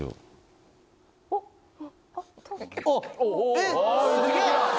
・えっすげぇ！